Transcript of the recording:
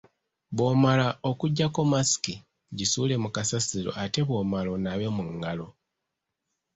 Bw’omala okuggyako masiki, gisuule mu kasasiro ate bw’omala onaabe mu ngalo.